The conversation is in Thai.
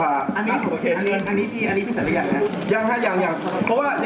อันนี้พี่ระทับพยากนะ